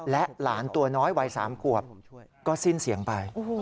และหลานตัวน้อยวัย๓ขวบก็สิ้นเสียงไป